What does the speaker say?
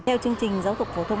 theo chương trình giáo dục phổ thông